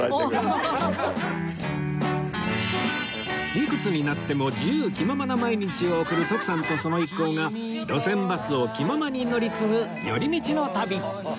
いくつになっても自由気ままな毎日を送る徳さんとその一行が路線バスを気ままに乗り継ぐ寄り道の旅